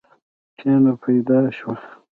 کینه پیدا شوه.